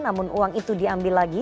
namun uang itu diambil lagi